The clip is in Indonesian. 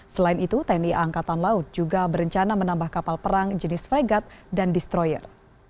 selain itu tni angkatan laut juga berencana menambah kapal perang jenis fregat dan destroyer